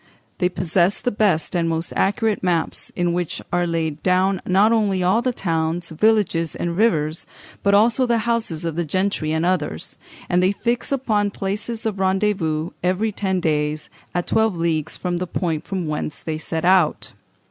They possess the best and most accurate maps, in which are laid down not only all the towns, villages, and rivers, but also the houses of the gentry and others; and they fix upon places of rendezvous every ten days, at twenty leagues from the point from whence they set out....